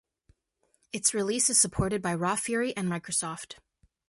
Its release is supported by Raw Fury and Microsoft.